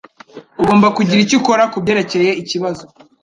Ugomba kugira icyo ukora kubyerekeye ikibazo.